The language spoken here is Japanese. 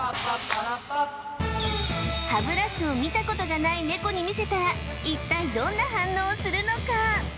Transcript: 歯ブラシを見たことがないネコに見せたら一体どんな反応をするのか？